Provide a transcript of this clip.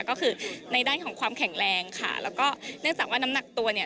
ก็คือในด้านของความแข็งแรงค่ะแล้วก็เนื่องจากว่าน้ำหนักตัวเนี่ย